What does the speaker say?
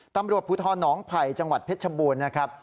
ตำรวจภูทรหนองไผ่จังหวัดเพชรชบูรณ์นะครับ